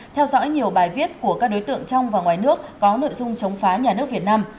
theo dõi nhiều bài viết của các đối tượng trong và ngoài nước có nội dung chống phá nhà nước việt nam